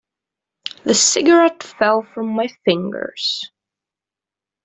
The cigarette fell from my fingers.